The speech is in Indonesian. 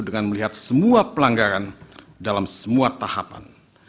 dengan melihat semua pelanggaran dalam semua tahapan